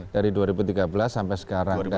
dari dua ribu tiga belas sampai sekarang